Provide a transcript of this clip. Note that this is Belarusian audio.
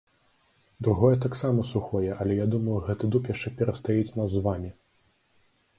Другое таксама сухое, але я думаю, гэты дуб яшчэ перастаіць нас з вамі.